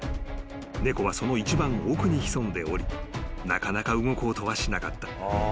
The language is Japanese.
［猫はその一番奥に潜んでおりなかなか動こうとはしなかった］